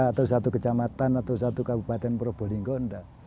atau satu kecamatan atau satu kabupaten probolinggo